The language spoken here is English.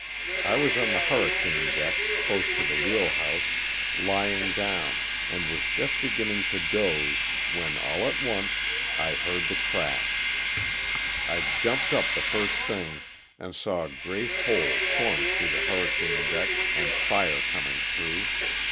I was on the hurri cane deck, close to the wheel house, lying down, and was just beginning to doze, when, all at once, I heard the crash. I jumped up the first thing, and saw a great hole torn through the hurricane deck and fire coming through.